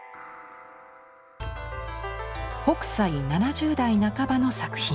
北斎７０代半ばの作品。